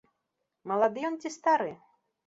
Малады ён ці стары?